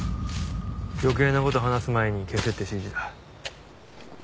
余計な事を話す前に消せって指示だ。